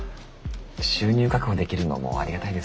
収入確保できるのもありがたいですし。